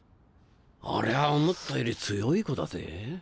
ありゃあ思ったより強い子だぜ。